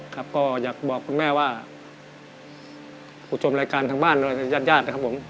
ครับก็อยากบอกคุณแม่ว่าผู้ชมรายการทางบ้านโดยญาติญาตินะครับผม